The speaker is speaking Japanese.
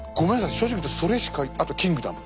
正直言うとそれしかあと「キングダム」。